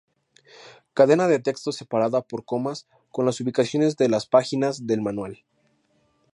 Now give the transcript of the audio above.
Cadena de texto separada por comas con las ubicaciones de las páginas del manual.